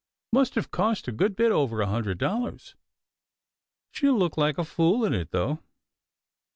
" Must have cost a good bit over a hundred dollars. She'll look like a fool in it, though."